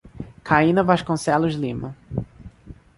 Carina Vasconcelos Lima